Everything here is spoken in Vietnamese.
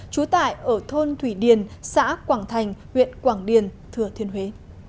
trú tại ở thôn thủy điền xã quảng thành huyện quảng điền thừa thiên huế